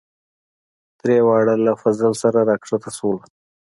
دریواړه له فضل سره راکښته شولو.